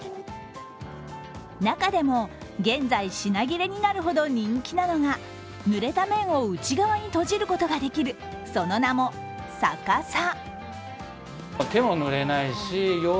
中でも現在、品切れになるほど人気なのがぬれた面を内側に閉じることができる、その名もＳａ傘。